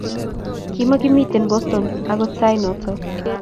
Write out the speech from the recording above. Kimagimiten Boston agot sait noto